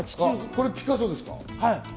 これピカソですか？